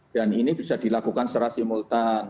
dan ini bisa dilakukan serasi multan